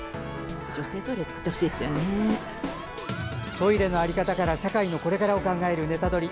トイレの在り方から社会のこれからを考える「ネタドリ！」